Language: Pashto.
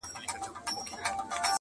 o د ژوندو لاري د سخره دي.